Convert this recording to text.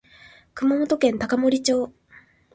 熊本県高森町